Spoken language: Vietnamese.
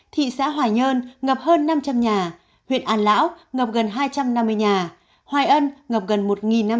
thị xã hỏa nhơn ngập hơn năm trăm linh nhà huyện an lão ngập gần hai trăm năm mươi nhà hoài ân ngập gần một năm trăm linh nhà